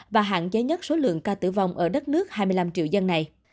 và hạn chế nhất số lượng ca tử vong ở đất nước hai mươi năm triệu dân này